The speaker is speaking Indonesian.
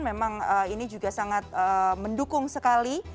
memang ini juga sangat mendukung sekali